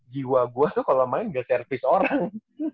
jiwa gua tuh kalo main ga service orang